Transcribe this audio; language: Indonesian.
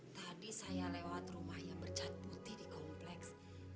tadi saya lewat rumah yang bercat putih di kompleks